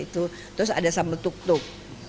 terus ada sambal tuk tuk